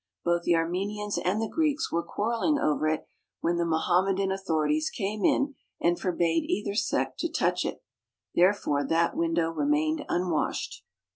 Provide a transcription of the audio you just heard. Both the Armenians and the Greeks were quarrelling over it when the Mohammedan authorities came in and forbade either sect to touch it. Therefore, that window remained unwashed.